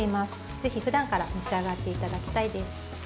ぜひ、ふだんから召し上がっていただきたいです。